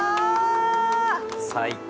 最高。